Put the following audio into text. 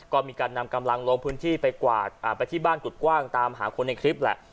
ก็มีการนำกำลังลงพื้นที่ไปกวาดไปที่บ้านกุฎกว้างตามหาคนในคลิปแหละ